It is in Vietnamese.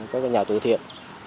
các nhà tự thiện